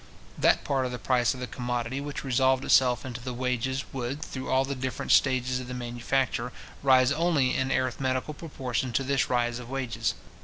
That part of the price of the commodity which resolved itself into the wages, would, through all the different stages of the manufacture, rise only in arithmetical proportion to this rise of wages.